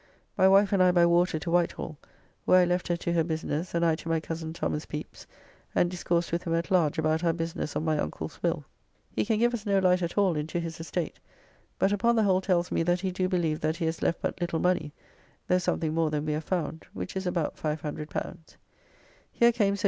My wife and I by water to Whitehall, where I left her to her business and I to my cozen Thomas Pepys, and discoursed with him at large about our business of my uncle's will. He can give us no light at all into his estate, but upon the whole tells me that he do believe that he has left but little money, though something more than we have found, which is about L500. Here came Sir G.